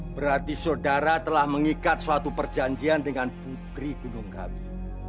berarti saudara telah mengikat suatu perjanjian dengan putri gunung kami